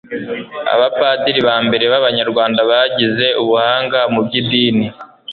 abapadiri ba mbere b'abanyarwanda bagize ubuhanga mu by'idini